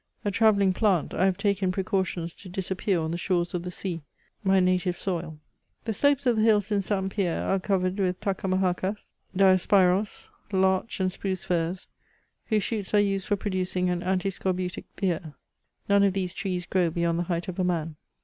A travelling plant, I have taken precautions to disappear on the shores of the sea, my native soil. The slopes of the hills in St. Pierre are covered with tacama hacas, diospyros, larch and spruce firs, whose shoots are used for producing an anti scorbutic beer. None of these trees grow beyond the height of a man.